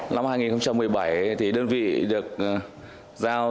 năm hai nghìn một mươi bảy thì đơn vị được giao